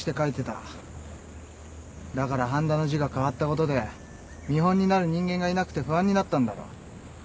だから半田の字が変わったことで見本になる人間がいなくて不安になったんだろ。